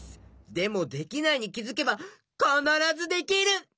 でもできないにきづけばかならずできる！